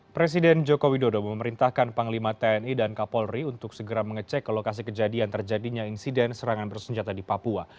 presiden joko widodo memerintahkan panglima tni dan kapolri untuk segera mengecek ke lokasi kejadian terjadinya insiden serangan bersenjata di papua